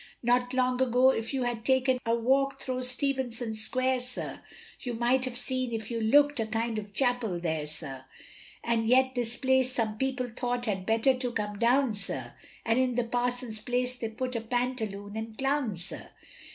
Not long ago if you had taken a walk thro' Stevenson's square, sir, You might have seen, if you look'd, a kind of chapel there, sir, And yet this place, some people thought, had better to come down, sir, And in the parson's place they put a pantaloon and clown, sir.